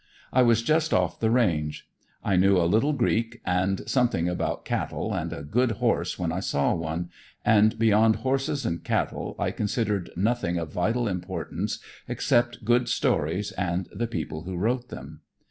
I was just off the range; I knew a little Greek and something about cattle and a good horse when I saw one, and beyond horses and cattle I considered nothing of vital importance except good stories and the people who wrote them.